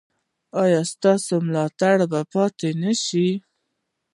ایا ستاسو ملاتړ به پاتې نه شي؟